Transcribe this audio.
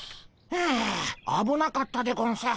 はああぶなかったでゴンス。